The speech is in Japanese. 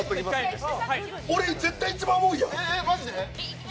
俺、絶対一番重いやん。